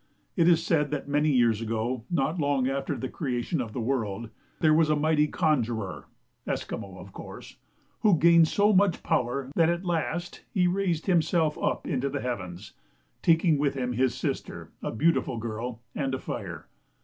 It is said that many years ago, not long after the creation of the world, there was a mighty conjuror (Esquimaux of course), who gained so much power that at last he raised himself up into the heavens, taking with him his sister (a beautiful girl) and a fire.